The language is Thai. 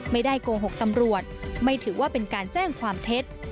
ไม่ได้โกหกตำรวจไม่ถือว่าเป็นการแจ้งความเท็จ